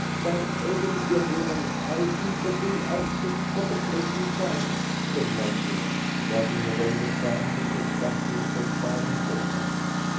"Thank Heaven, gentlemen, I think that we are saved for the present time," said Mansoor, wiping away the sand which had stuck to his perspiring forehead.